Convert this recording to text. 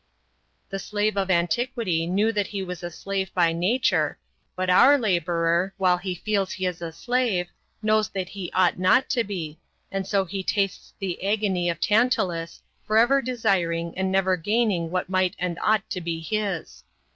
The slave of antiquity knew that he was a slave by nature, but our laborer, while he feels he is a slave, knows that he ought not to be, and so he tastes the agony of Tantalus, forever desiring and never gaining what might and ought to be his.